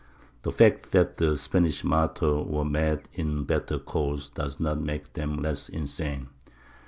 The fact that the Spanish "martyrs" were mad in a better cause does not make them less insane.